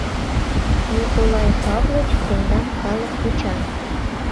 — Николай Павлыч, тендам калык вуча!